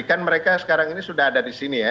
kan mereka sekarang ini sudah ada di sini ya